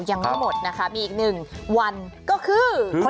ยังไม่หมดนะคะมีอีกหนึ่งวันก็คือ